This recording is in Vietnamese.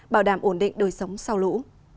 bảo đảm ổn định đời sống sau lũ